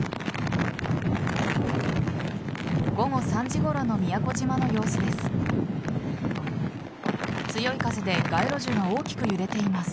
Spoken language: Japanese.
午後３時ごろの宮古島の様子です。